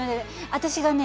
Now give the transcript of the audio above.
私がね